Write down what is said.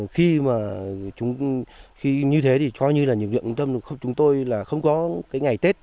khi như thế thì coi như là lực lượng chúng tôi là không có cái ngày tết